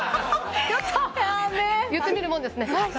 言ってみるもんですね。